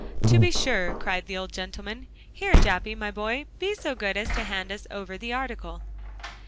"To be sure," cried the old gentleman; "here, Jappy, my boy, be so good as to hand us over that article."